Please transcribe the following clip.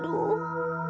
aduh sakit nih